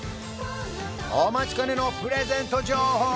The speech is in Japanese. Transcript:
お待ちかねのプレゼント情報